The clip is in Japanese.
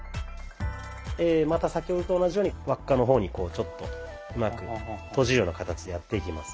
また先ほどと同じように輪っかの方にこうちょっとうまくとじるような形でやっていきます。